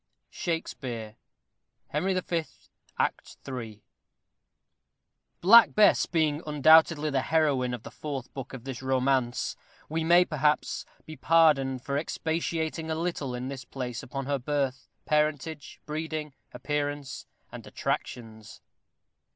SHAKESPEARE: Henry V., Act III. Black Bess being undoubtedly the heroine of the Fourth Book of this Romance, we may, perhaps, be pardoned for expatiating a little in this place upon her birth, parentage, breeding, appearance, and attractions.